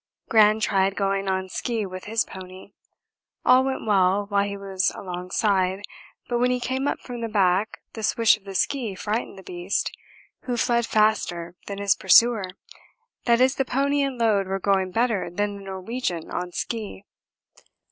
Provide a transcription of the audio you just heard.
Gran tried going on ski with his pony. All went well while he was alongside, but when he came up from the back the swish of the ski frightened the beast, who fled faster than his pursuer that is, the pony and load were going better than the Norwegian on ski.